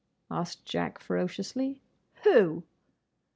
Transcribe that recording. asked Jack ferociously. "Who?"